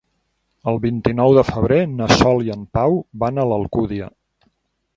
El vint-i-nou de febrer na Sol i en Pau van a l'Alcúdia.